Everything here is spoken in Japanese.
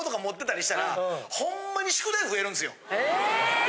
え！